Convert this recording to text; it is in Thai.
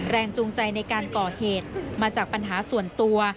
แรงจูงใจในการก่อเหตุมาจากปัญหาส่วนตัว